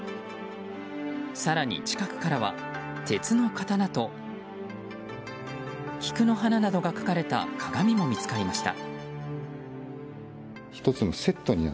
更に近くからは鉄の刀と菊の花などが描かれた鏡も見つかりました。